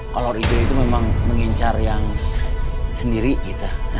kolor hijau itu memang mengincar yang sendiri gitu